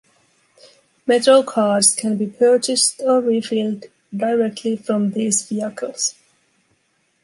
MetroCards can be purchased or refilled directly from these vehicles.